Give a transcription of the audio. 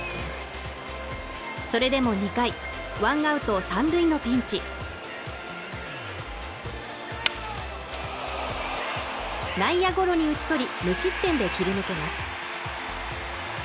それでも２回１アウト３塁のピンチ内野ゴロに打ち取り無失点で切り抜けます